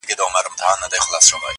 ما سوري كړي د ډبرو دېوالونه!!